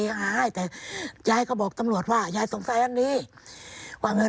ยายก็บอกตำรวจว่ายายสงสัยอันดี